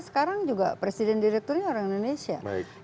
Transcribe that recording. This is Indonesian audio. sekarang juga presiden direkturnya orang indonesia